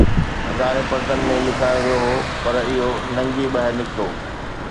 ھزارين پردن ۾ لڪايو ويو ھو، پر اُھو ننگي ٻاھر نڪتو